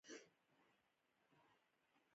امیر پولاد شنسبی د غور لومړنی سیمه ییز مسلمان واکمن و